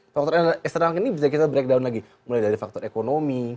faktor eksternal ini bisa kita breakdown lagi mulai dari faktor ekonomi